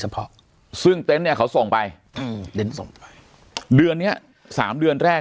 เฉพาะซึ่งเต็นต์เนี่ยเขาส่งไปเด้นส่งไปเดือนนี้๓เดือนแรก